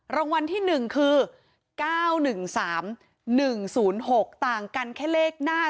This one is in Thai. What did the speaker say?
รางวัลที่๑คือ๙๑๓๑๐๖ต่างกันแค่เลขหน้า